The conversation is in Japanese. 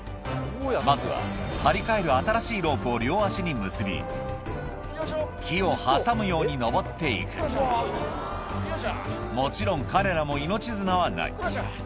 まずは張り替える新しいロープを両足に結び木を挟むように登って行くもちろん彼らも命綱はない